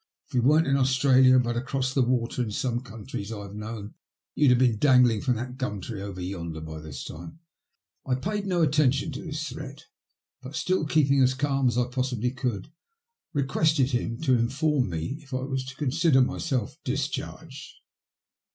If we weren't in Australia, but across the water in some countries I've known, you'd have been dangling from that gum tree over yonder by this time." I paid no attention to this threat, but, still keeping as calm as I possibly could, requested him to inform me if I was to consider myself discharged.